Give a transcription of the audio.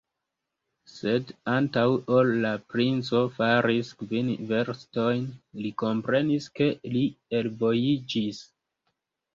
Sed antaŭ ol la princo faris kvin verstojn, li komprenis, ke li elvojiĝis.